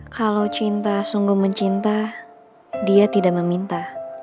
kalau cinta sungguh mencinta dia tidak meminta